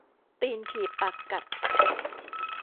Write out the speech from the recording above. ตีนถีบปากกัด